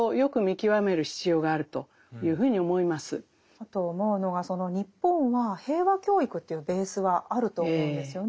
あと思うのが日本は平和教育というベースはあると思うんですよね。